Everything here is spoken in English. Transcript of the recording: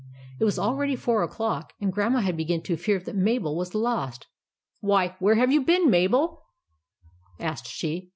It was already four o'clock, and Grandma had begun to fear that Mabel was lost. "Why, where have you been, Mabel?" THE GIANT'S CASTLE 179 asked she.